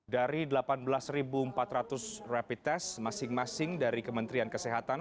dari delapan belas empat ratus rapid test masing masing dari kementerian kesehatan